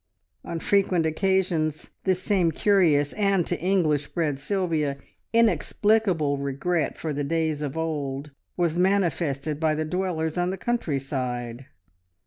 On frequent occasions this same curious, and to English bred Sylvia, inexplicable regret for the days of old was manifested by the dwellers on the country side.